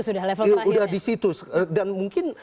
sudah di situ dan mungkin